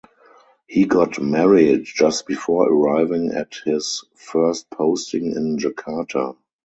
He got married just before arriving at his first posting in Jakarta.